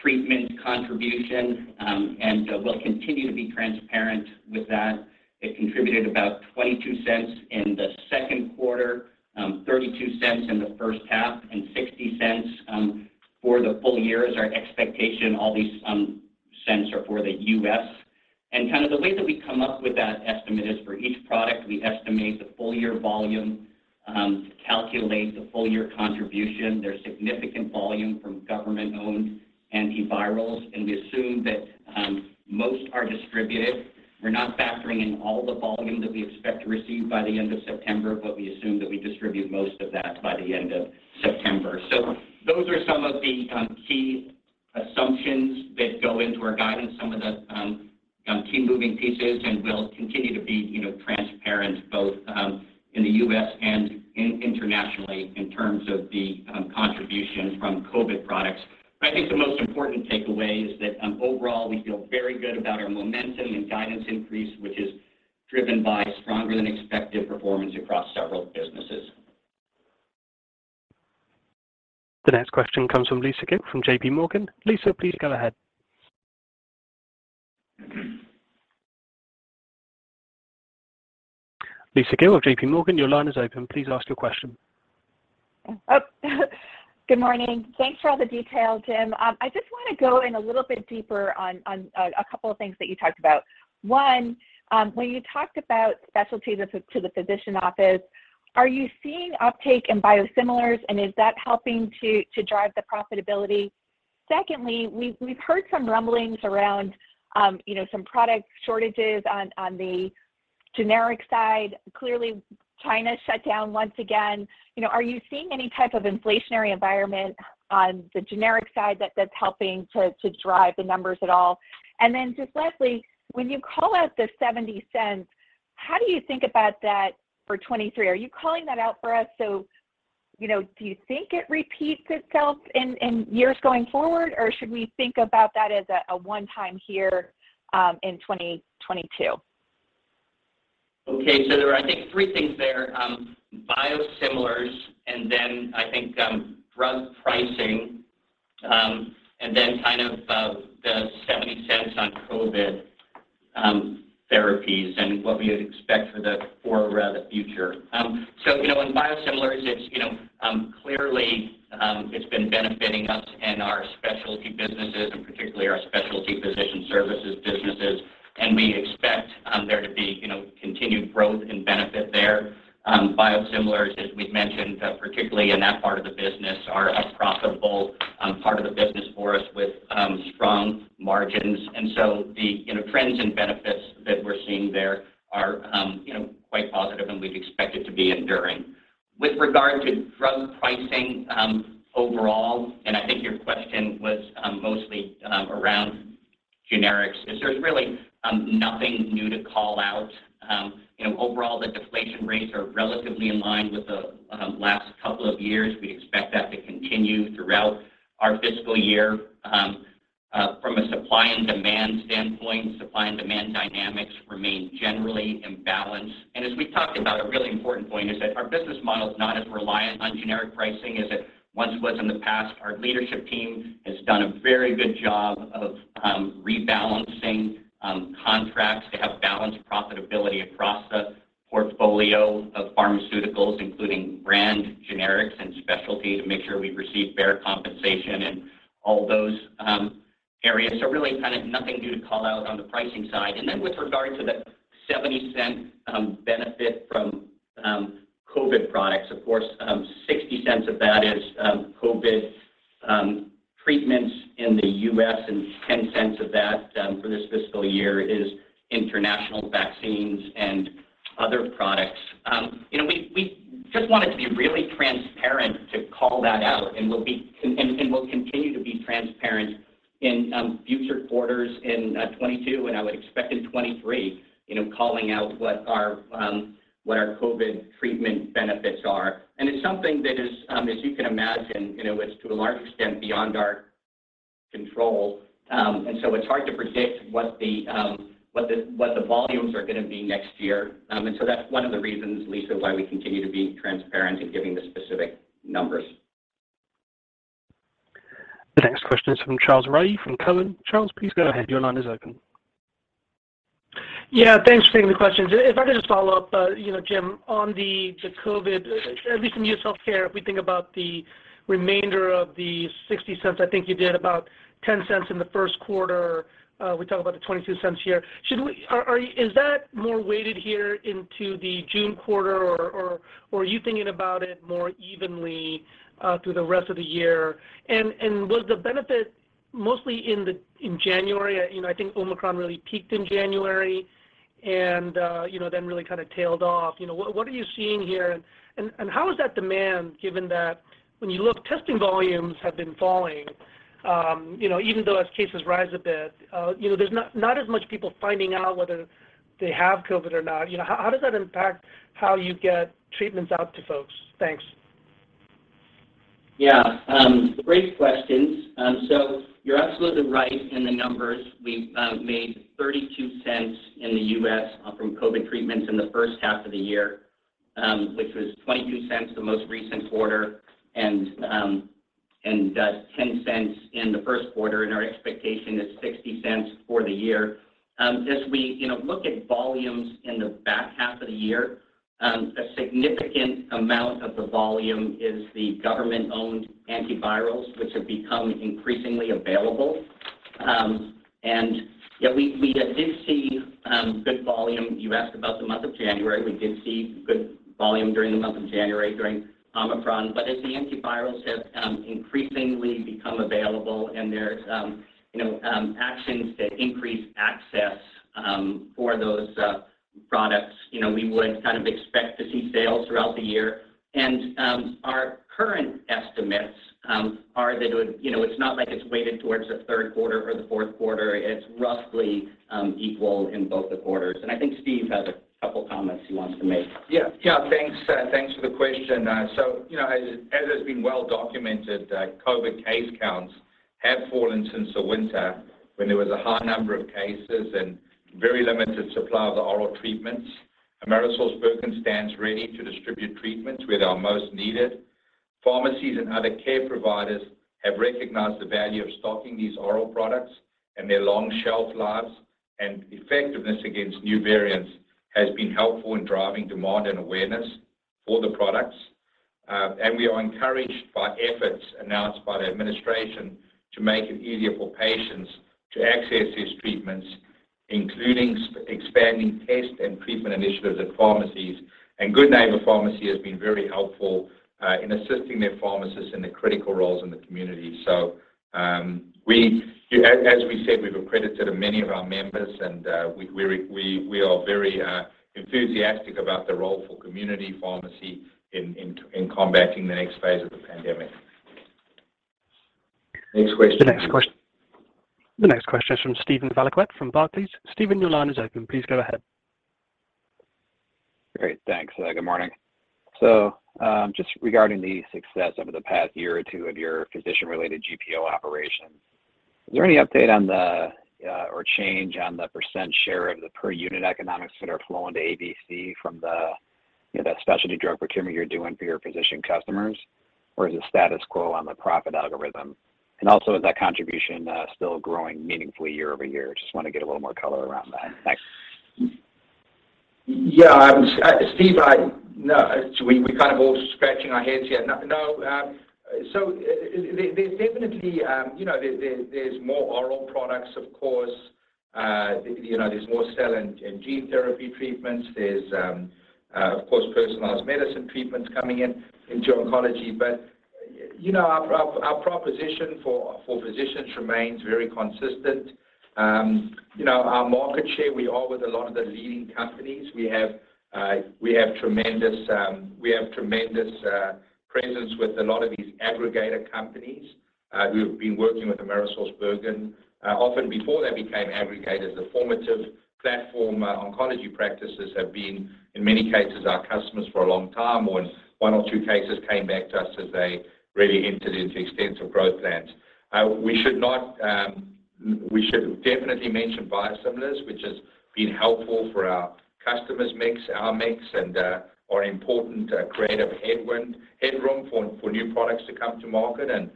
treatment contribution, and we'll continue to be transparent with that. It contributed about $0.22 in the second quarter, $0.32 in the first half, and $0.60 for the full year is our expectation. All these are for the U.S. Kind of the way that we come up with that estimate is for each product we estimate the full year volume to calculate the full year contribution. There's significant volume from government-owned antivirals, and we assume that most are distributed. We're not factoring in all the volume that we expect to receive by the end of September, but we assume that we distribute most of that by the end of September. Those are some of the key assumptions that go into our guidance, some of the key moving pieces, and we'll continue to be, you know, transparent both in the U.S. and internationally in terms of the contribution from COVID products. I think the most important takeaway is that, overall, we feel very good about our momentum and guidance increase, which is driven by stronger than expected performance across several businesses. The next question comes from Lisa Gill from JP Morgan. Lisa, please go ahead. Lisa Gill of JP Morgan, your line is open. Please ask your question. Good morning. Thanks for all the detail, Jim. I just want to go in a little bit deeper on a couple of things that you talked about. One, when you talked about specialties to the physician office, are you seeing uptake in biosimilars, and is that helping to drive the profitability? Secondly, we've heard some rumblings around, you know, some product shortages on the generic side. Clearly, China shut down once again. You know, are you seeing any type of inflationary environment on the generic side that's helping to drive the numbers at all? And then just lastly, when you call out the $0.70, how do you think about that for 2023? Are you calling that out for us, so, you know, do you think it repeats itself in years going forward, or should we think about that as a one-time here in 2022? Okay, so there are, I think, three things there, biosimilars, and then I think, drug pricing, and then kind of, the COVID therapies and what we expect for the future. You know, in biosimilars it's, you know, clearly, it's been benefiting us in our specialty businesses and particularly our specialty physician services businesses, and we expect there to be, you know, continued growth and benefit there. Biosimilars, as we've mentioned, particularly in that part of the business are a profitable part of the business for us with strong margins. The, you know, trends and benefits that we're seeing there are, you know, quite positive and we expect it to be enduring. With regard to drug pricing, overall, and I think your question was, mostly, around generics. There's really nothing new to call out. You know, overall the deflation rates are relatively in line with the last couple of years. We expect that to continue throughout our fiscal year. From a supply and demand standpoint, supply and demand dynamics remain generally in balance. As we talked about, a really important point is that our business model is not as reliant on generic pricing as it once was in the past. Our leadership team has done a very good job of rebalancing contracts to have balanced profitability across the portfolio of pharmaceuticals, including brand generics and specialty, to make sure we receive fair compensation in all those areas. Really kind of nothing new to call out on the pricing side. With regard to the $0.70 benefit from COVID products, of course, $0.60 of that is COVID treatments in the U.S. and $0.10 of that for this fiscal year is international vaccines and other products. You know, we just wanted to be really transparent to call that out and we'll continue to be transparent in future quarters in 2022, and I would expect in 2023, you know, calling out what our COVID treatment benefits are. It's something that, as you can imagine, you know, is to a large extent beyond our control. It's hard to predict what the volumes are going to be next year. That's one of the reasons, Lisa, why we continue to be transparent in giving the specific numbers. The next question is from Charles Rhyee from Cowen. Charles, please go ahead. Your line is open. Yeah, thanks for taking the questions. If I could just follow up, you know, Jim, on the COVID, at least in U.S. Healthcare Solutions, if we think about the remainder of the $0.60, I think you did about $0.10 in the first quarter. We talk about the $0.22 here. Is that more weighted into the June quarter or are you thinking about it more evenly through the rest of the year? Was the benefit mostly in January? You know, I think Omicron really peaked in January and then really kind of tailed off. You know, what are you seeing here and how is that demand given that when you look, testing volumes have been falling, you know, even though as cases rise a bit, you know, there's not as much people finding out whether they have COVID or not. You know, how does that impact how you get treatments out to folks? Thanks. Yeah. Great questions. You're absolutely right in the numbers. We made $0.32 in the U.S. from COVID treatments in the first half of the year, which was $0.22 the most recent quarter and $0.10 in the first quarter, and our expectation is $0.60 for the year. As we you know look at volumes in the back half of the year, a significant amount of the volume is the government-owned antivirals, which have become increasingly available. Yeah, we did see good volume. You asked about the month of January. We did see good volume during the month of January during Omicron. As the antivirals have increasingly become available and there's you know actions that increase access for those products, you know, we would kind of expect to see sales throughout the year. Our current estimates are. You know, it's not like it's weighted towards the third quarter or the fourth quarter. It's roughly equal in both the quarters. I think Steve has a couple comments he wants to make. Yeah. Thanks for the question. So, you know, as has been well documented, COVID case counts have fallen since the winter when there was a high number of cases and very limited supply of the oral treatments. AmerisourceBergen stands ready to distribute treatments where they're most needed. Pharmacies and other care providers have recognized the value of stocking these oral products and their long shelf lives and effectiveness against new variants has been helpful in driving demand and awareness for the products. We are encouraged by efforts announced by the administration to make it easier for patients to access these treatments, including expanding test and treatment initiatives at pharmacies. Good Neighbor Pharmacy has been very helpful in assisting their pharmacists in their critical roles in the community. As we said, we've accredited many of our members and we are very enthusiastic about the role for community pharmacy in combating the next phase of the pandemic. Next question. The next question is from Steven Valiquette from Barclays. Steven, your line is open. Please go ahead. Great. Thanks. Good morning. Just regarding the success over the past year or two of your physician-related GPO operations, is there any update on the, or change on the percent share of the per unit economics that are flowing to ABC from the, you know, that specialty drug procurement you're doing for your physician customers? Is it status quo on the profit algorithm? Also is that contribution, still growing meaningfully year-over-year? Just wanna get a little more color around that. Thanks. Yeah, Steve. No. We're kind of all scratching our heads here. No, there's definitely you know there's more oral products, of course. You know, there's more cell and gene therapy treatments. There's of course personalized medicine treatments coming into oncology. You know, our proposition for physicians remains very consistent. You know, our market share. We are with a lot of the leading companies. We have tremendous presence with a lot of these aggregator companies. We've been working with AmerisourceBergen often before they became aggregators. The former platforms, oncology practices have been, in many cases, our customers for a long time. One or two cases came back to us as they really entered into extensive growth plans. We should definitely mention biosimilars, which has been helpful for our customers' mix, and are important headroom for new products to come to market and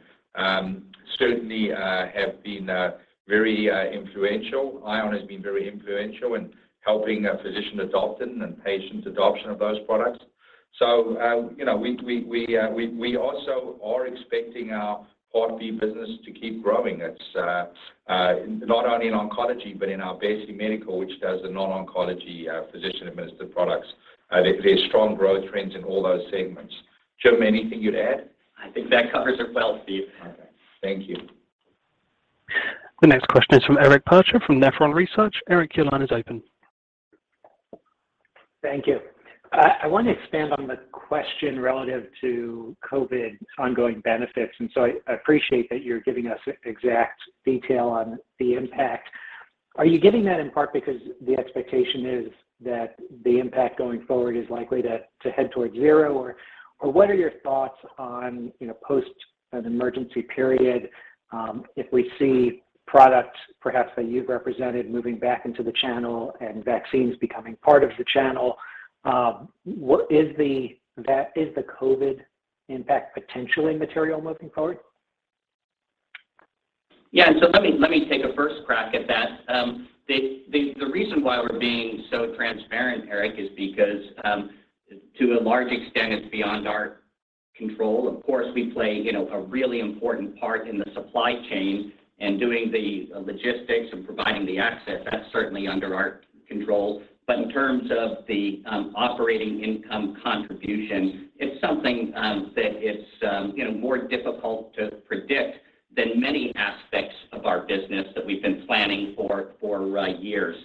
certainly have been very influential. ION has been very influential in helping physician adoption and patient adoption of those products. You know, we also are expecting our Part B business to keep growing. It's not only in oncology, but in our basic medical, which does the non-oncology physician-administered products. There are strong growth trends in all those segments. Jim, anything you'd add? I think that covers it well, Steve. Okay. Thank you. The next question is from Eric Percher from Nephron Research. Eric, your line is open. Thank you. I wanna expand on the question relative to COVID ongoing benefits. I appreciate that you're giving us exact detail on the impact. Are you giving that in part because the expectation is that the impact going forward is likely to head towards zero? Or what are your thoughts on, you know, post an emergency period, if we see products perhaps that you've represented moving back into the channel and vaccines becoming part of the channel, what is the COVID impact potentially material moving forward? Yeah. Let me take a first crack at that. The reason why we're being so transparent, Eric, is because to a large extent it's beyond our control. Of course, we play you know, a really important part in the supply chain and doing the logistics and providing the access. That's certainly under our control. But in terms of the operating income contribution, it's something that it's you know, more difficult to predict than many aspects of our business that we've been planning for years.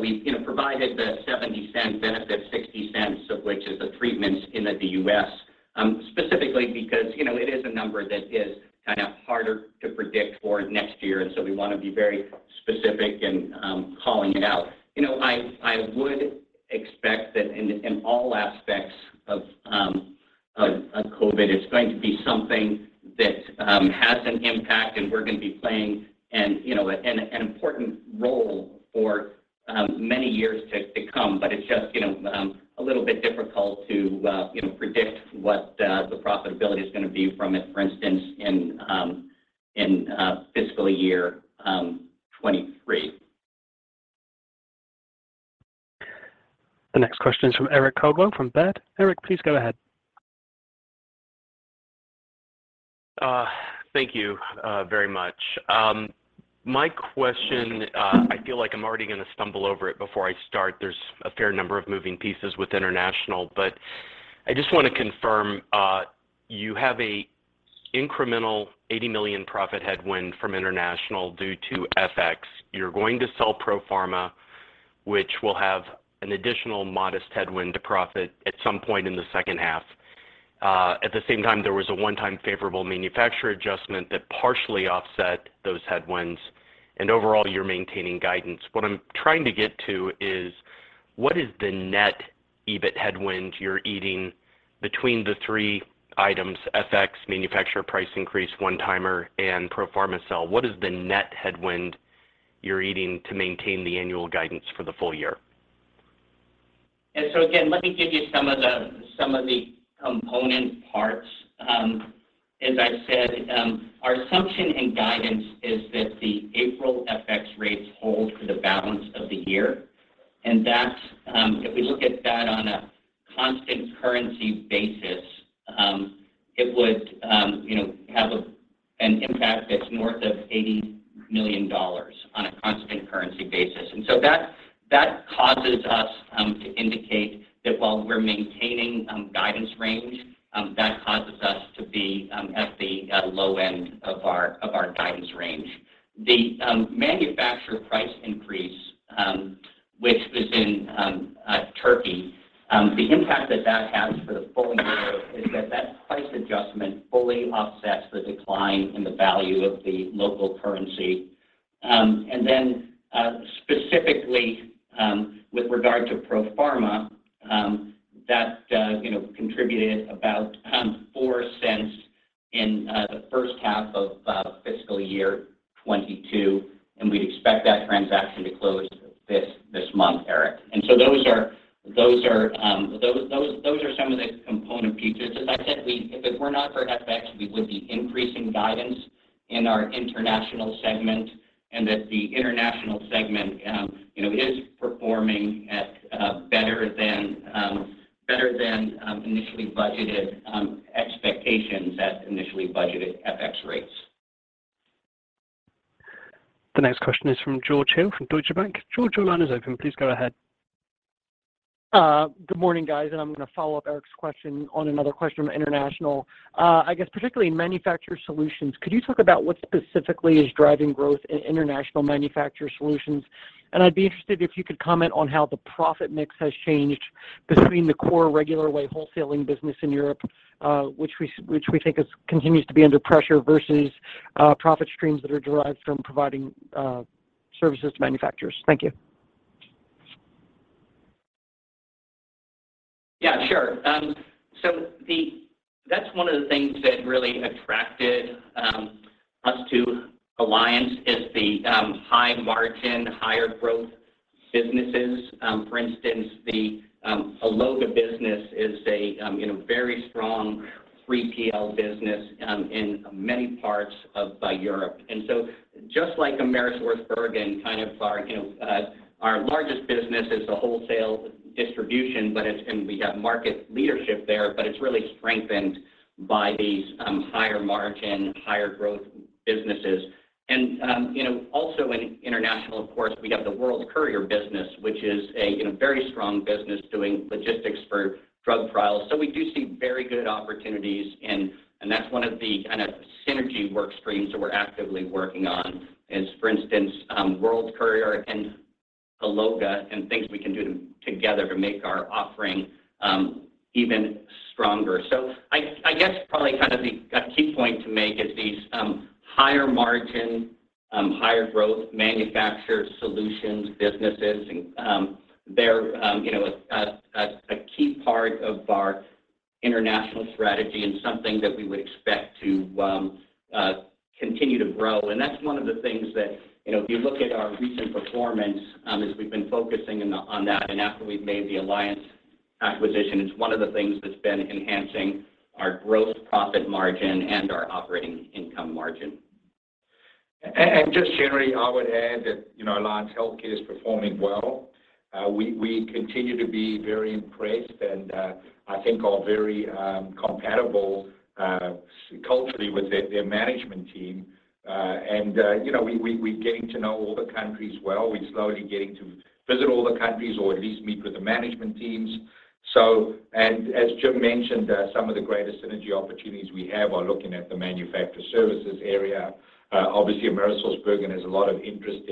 We've you know, provided the $0.70 benefit, $0.60 of which is the treatments in the U.S., specifically because you know, it is a number that is kind of harder to predict for next year. We wanna be very specific in calling it out. You know, I would expect that in all aspects of COVID, it's going to be something that has an impact and we're gonna be playing an important role for many years to come. It's just, you know, a little bit difficult to, you know, predict what the profitability is gonna be from it, for instance, in fiscal year 2023. The next question is from Eric Coldwell from Baird. Eric, please go ahead. Thank you very much. My question, I feel like I'm already gonna stumble over it before I start. There's a fair number of moving pieces with international, but I just wanna confirm. You have an incremental $80 million profit headwind from international due to FX. You're going to sell Profarma, which will have an additional modest headwind to profit at some point in the second half. At the same time, there was a one-time favorable manufacturer adjustment that partially offset those headwinds, and overall you're maintaining guidance. What I'm trying to get to is what is the net EBIT headwind you're eating between the three items, FX, manufacturer price increase one-timer, and Profarma sale? What is the net headwind you're eating to maintain the annual guidance for the full year? Again, let me give you some of the component parts. As I said, our assumption and guidance is that the April FX rates hold for the balance of the year. That, if we look at that on a constant currency basis, it would, you know, have an impact that's north of $80 million on a constant currency basis. That causes us to indicate that while we're maintaining guidance range, that causes us to be at the low end of our guidance range. The manufacturer price increase, which was in Turkey, the impact that has for the full year is that price adjustment fully offsets the decline in the value of the local currency. Specifically, with regard to pro forma, that you know contributed about $0.04 in the first half of fiscal year 2022, and we'd expect that transaction to close this month, Eric. Those are some of the component pieces. As I said, if it were not for FX, we would be increasing guidance in our international segment and that the international segment you know is performing at better than initially budgeted expectations at initially budgeted FX rates. The next question is from George Hill from Deutsche Bank. George, your line is open. Please go ahead. Good morning, guys. I'm gonna follow up Eric's question on another question on international. I guess, particularly in manufacturer solutions, could you talk about what specifically is driving growth in international manufacturer solutions? I'd be interested if you could comment on how the profit mix has changed between the core regular way wholesaling business in Europe, which we think continues to be under pressure versus profit streams that are derived from providing services to manufacturers. Thank you. Yeah, sure. That's one of the things that really attracted us to Alliance is the high margin, higher growth businesses. For instance, the Alloga business is a you know, very strong 3PL business in many parts of Europe. Just like AmerisourceBergen, kind of our you know our largest business is the wholesale distribution, but we have market leadership there, but it's really strengthened by these higher margin, higher growth businesses. You know, also in international, of course, we have the World Courier business, which is a you know, very strong business doing logistics for drug trials. We do see very good opportunities and that's one of the kind of synergy work streams that we're actively working on is, for instance, World Courier and Alloga and things we can do together to make our offering even stronger. I guess probably kind of a key point to make is these higher margin higher growth manufacturer solutions businesses and they're you know a key part of our international strategy and something that we would expect to continue to grow. That's one of the things that you know if you look at our recent performance is we've been focusing on that. After we've made the Alliance acquisition it's one of the things that's been enhancing our growth profit margin and our operating income margin. Just generally, I would add that, you know, Alliance Healthcare is performing well. We continue to be very impressed and, I think, are very compatible culturally with their management team. You know, we're getting to know all the countries well. We're slowly getting to visit all the countries or at least meet with the management teams. As Jim mentioned, some of the greatest synergy opportunities we have are looking at the manufacturer services area. Obviously AmerisourceBergen has a lot of interest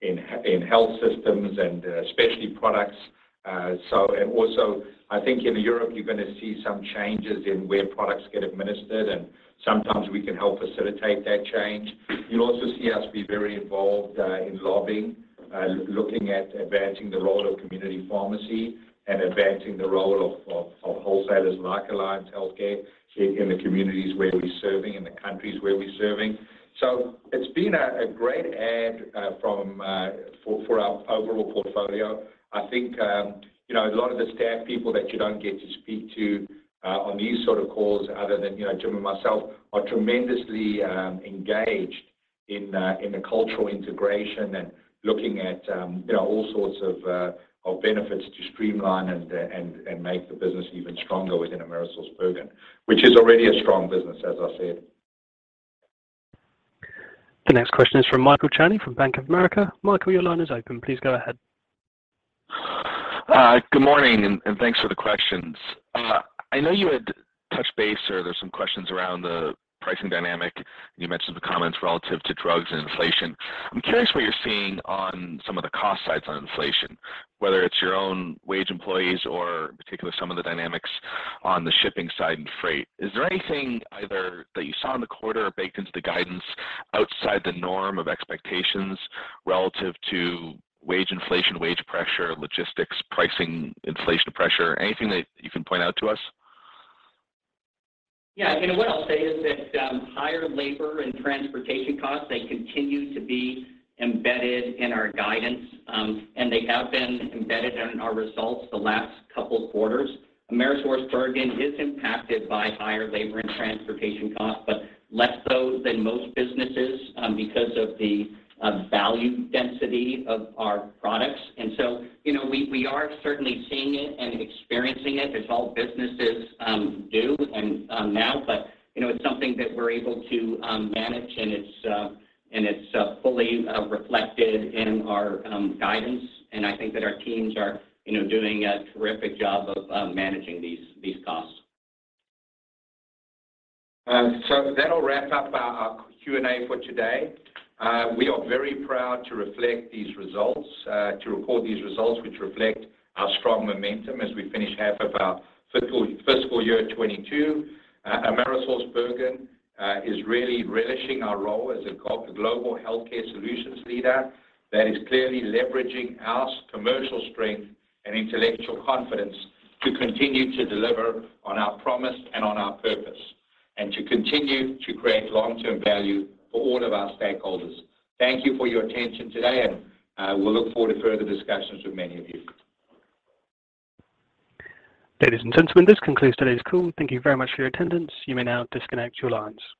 in health systems and specialty products. Also, I think in Europe, you're gonna see some changes in where products get administered, and sometimes we can help facilitate that change. You'll also see us be very involved in lobbying, looking at advancing the role of community pharmacy and advancing the role of wholesalers like Alliance Healthcare here in the communities where we're serving, in the countries where we're serving. It's been a great add for our overall portfolio. I think, you know, a lot of the staff people that you don't get to speak to on these sort of calls other than, you know, Jim and myself, are tremendously engaged in the cultural integration and looking at, you know, all sorts of benefits to streamline and make the business even stronger within AmerisourceBergen, which is already a strong business, as I said. The next question is from Michael Cherny from Bank of America. Michael, your line is open. Please go ahead. Good morning and thanks for the questions. I know you had touched base or there's some questions around the pricing dynamic. You mentioned the comments relative to drugs and inflation. I'm curious what you're seeing on some of the cost sides on inflation, whether it's your own wages, employees or in particular some of the dynamics on the shipping side and freight. Is there anything either that you saw in the quarter or baked into the guidance outside the norm of expectations relative to wage inflation, wage pressure, logistics, pricing, inflation pressure? Anything that you can point out to us? Yeah. You know, what I'll say is that higher labor and transportation costs, they continue to be embedded in our guidance, and they have been embedded in our results the last couple quarters. AmerisourceBergen is impacted by higher labor and transportation costs, but less so than most businesses because of the value density of our products. You know, we are certainly seeing it and experiencing it as all businesses do and now. You know, it's something that we're able to manage and it's fully reflected in our guidance. I think that our teams are you know, doing a terrific job of managing these costs. That'll wrap up our Q&A for today. We are very proud to report these results, which reflect our strong momentum as we finish half of our fiscal year 2022. AmerisourceBergen is really relishing our role as a go-to global healthcare solutions leader that is clearly leveraging our commercial strength and intellectual capital to continue to deliver on our promise and on our purpose, and to continue to create long-term value for all of our stakeholders. Thank you for your attention today, and we'll look forward to further discussions with many of you. Ladies and gentlemen, this concludes today's call. Thank you very much for your attendance. You may now disconnect your lines.